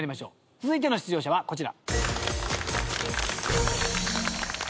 続いての出場者はこちら。